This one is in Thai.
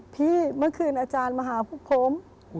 เมื่อคืนอาจารย์มาหาพวกผม